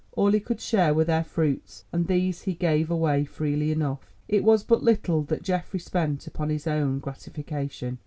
All he could share were their fruits, and these he gave away freely enough. It was but little that Geoffrey spent upon his own gratification.